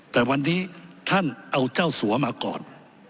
แต่วันนี้ท่านเอาเจ้าสัวมาก่อน